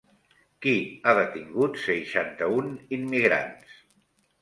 Qui ha detingut seixanta-un immigrants?